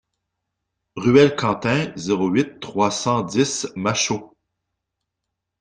Ruelle Quentin, zéro huit, trois cent dix Machault